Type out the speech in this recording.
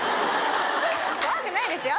怖くないですよ